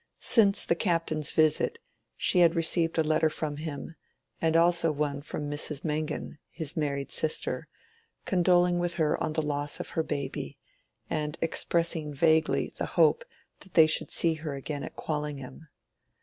Since the Captain's visit, she had received a letter from him, and also one from Mrs. Mengan, his married sister, condoling with her on the loss of her baby, and expressing vaguely the hope that they should see her again at Quallingham.